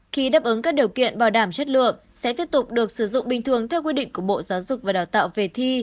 khi đáp ứng các điều kiện bảo đảm chất lượng sẽ tiếp tục được sử dụng bình thường theo quy định của bộ giáo dục và đào tạo về thi